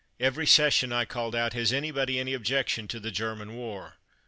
Every session I called out, Has anybody any objection to the German war?